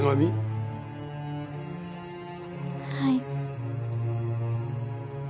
はい。